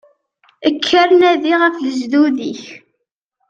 Kker nadi ɣef lejdud-ik.